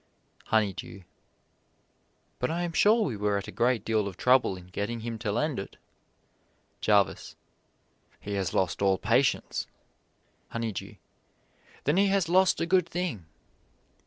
Honeydew: But I am sure we were at a great deal of trouble in getting him to lend it. Jarvis: He has lost all patience. Honeydew: Then he has lost a good thing.